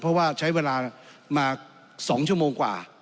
เพราะว่าใช้เวลามา๒ชั่วโมงกว่า